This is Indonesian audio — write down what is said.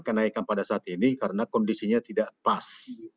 kenaikan pada saat ini karena kondisinya tidak pas